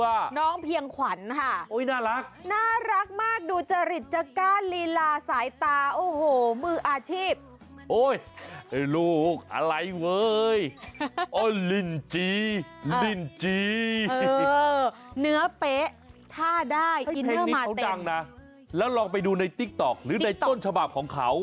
เออเนื้อเป๊ะท่าได้อินเนอร์มาเต็มให้เพลงนี้เขาดังนะแล้วลองไปดูในติ๊กต๊อกหรือในต้นฉบับของเขา